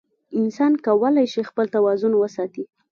انسان کولی شي خپل توازن وساتي.